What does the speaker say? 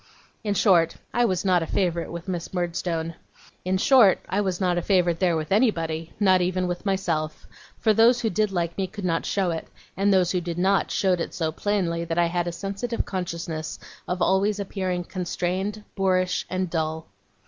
In short, I was not a favourite with Miss Murdstone. In short, I was not a favourite there with anybody, not even with myself; for those who did like me could not show it, and those who did not, showed it so plainly that I had a sensitive consciousness of always appearing constrained, boorish, and dull.